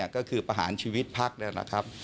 ก็คือประหารชีวิตพลักษณ์นะครับ